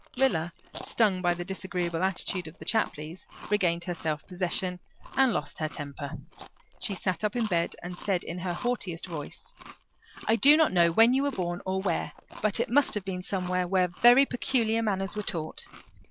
Rilla, stung by the disagreeable attitude of the Chapleys, regained her self possession and lost her temper. She sat up in bed and said in her haughtiest voice, "I do not know when you were born, or where, but it must have been somewhere where very peculiar manners were taught.